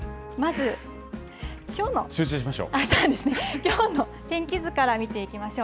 きょうの天気図から見ていきましょう。